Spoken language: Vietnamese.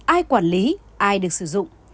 ai quản lý ai được sử dụng